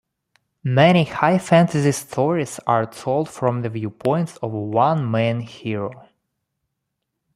Many high fantasy stories are told from the viewpoint of one main hero.